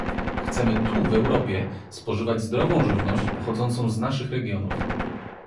Chcemy, tu w Europie, spożywać zdrową żywność, pochodzącą z naszych regionów